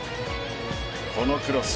このクロス。